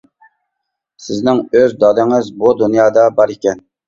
سىزنىڭ ئۆز دادىڭىز بۇ دۇنيادا بار ئىكەن.